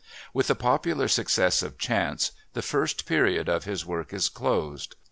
With the popular success of Chance the first period of his work is closed.